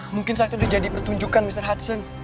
mungkin saat itu udah jadi petunjukkan mr hudson